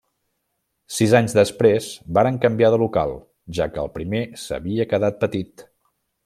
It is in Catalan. Sis anys després varen canviar de local, ja que el primer s'havia quedat petit.